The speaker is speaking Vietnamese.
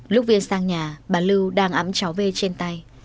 lúc viên sang nhà bà lưu đang ấm cháu v trên tay